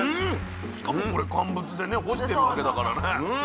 しかもこれ乾物でね干してるだけだからね。